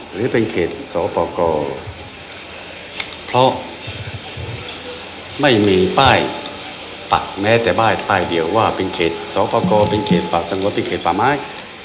หรือเป็นเขตสปกรเพราะไม่มีป้ายปักแม้แต่ป้ายป้ายเดียวว่าเป็นเขตสอบประกอบเป็นเขตป่าสงวนเป็นเขตป่าไม้